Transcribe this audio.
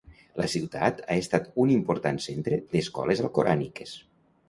La ciutat ha estat un important centre d'escoles alcoràniques.